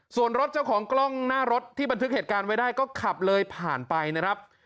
ส่วนรถเจ้าของกล้องหน้ารถที่บันทึกเหตุการณ์ไว้ได้ก็ขับเลยผ่านไปนะครับ